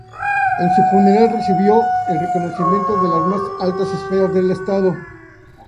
En su funeral recibió el reconocimiento de las más altas esferas del estado.